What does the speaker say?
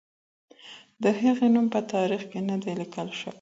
د هغې نوم په تاریخ کې نه دی لیکل شوی.